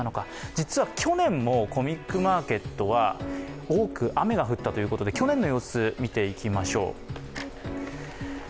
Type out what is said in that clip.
実は去年もコミックマーケットは多く雨が降ったということで去年の様子見ていきましょう。